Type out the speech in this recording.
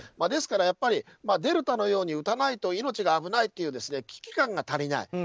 ですから、デルタのように打たないと命が危ないという危機感が足りない。